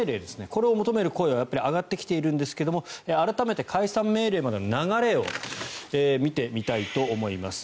これを求める声が上がってきているんですが改めて解散命令までの流れを見てみたいと思います。